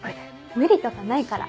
無理とかないから。